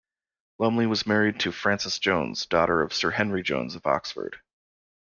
Lumley was married to Frances Jones, daughter of Sir Henry Jones of Oxford.